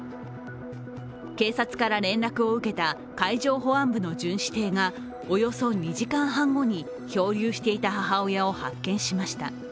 警察から連絡を受けた海上保安部の巡視艇がおよそ２時間半後に漂流していた母親を発見しました。